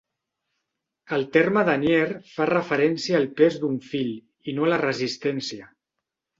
El terme "denier" fa referència al pes d'un fil, i no a la resistència.